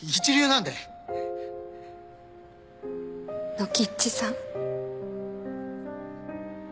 ノキッチさん